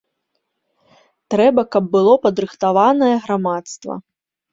Трэба, каб было падрыхтаванае грамадства.